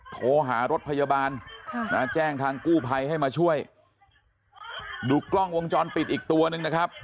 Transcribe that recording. โทรหารถพยาบาลแจ้งทางกู้ภัยให้มาช่วยดูกล้องวงจรปิดอีกตัวนึงนะครับ